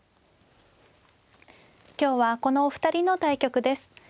今日はこのお二人の対局です。